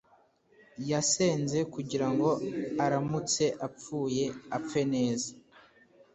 yasenze kugira ngo aramutse apfuye, apfe neza